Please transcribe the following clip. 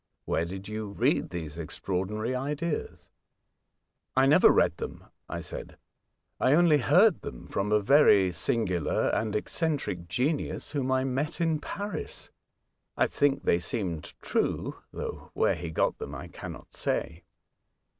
'' Where did you read these extraordinary ideas ?"" I never read them," I said, " I only heard them from a very singular and eccentric genius whom I met in Paris. I think they seemed true, though where he got them I cannot say.